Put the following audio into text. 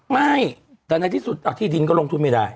ไม่แต่ในที่สุดที่ดินก็ลงทุนไม่ได้